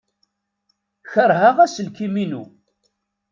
Keṛheɣ aselkim-inu.